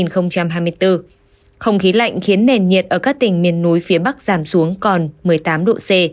không khí lạnh khiến nền nhiệt ở các tỉnh miền núi phía bắc giảm xuống còn một mươi tám độ c